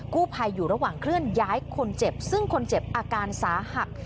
กู้ภัยอยู่ระหว่างเคลื่อนย้ายคนเจ็บซึ่งคนเจ็บอาการสาหัส